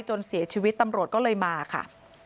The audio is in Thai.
จนเสียชีวิตตำรวจก็เลยมาค่ะ